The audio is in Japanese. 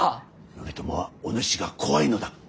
頼朝はおぬしが怖いのだ。